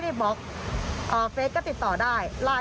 คุณพ่อคุณว่าไง